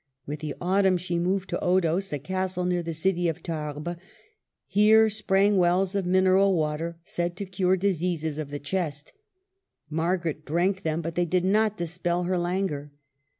With the autumn she moved to Odos, a castle near the city of Tarbes. Here sprang wells of mineral water, said to cure diseases of the chest. Margaret drank them, but they did not dispel her languor.